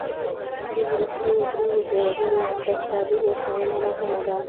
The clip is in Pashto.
د وروستیو دریوو هېوادونو اقتصادي هوساینه مهمه ده.